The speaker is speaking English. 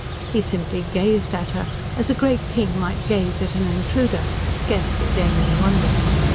He simply gazed as her as a great king might gaze at an intruder, scarcely deigning wonder.